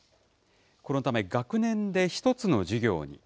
このため、学年で１つの授業に。